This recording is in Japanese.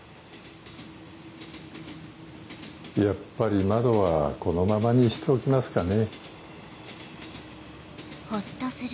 やっぱり窓はこのままにしておきますかね。